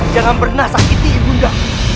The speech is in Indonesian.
jangan pernah sakiti bunda